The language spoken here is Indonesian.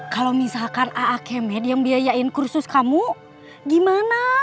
kalau misalkan a'a kemet yang biayain kursus kamu gimana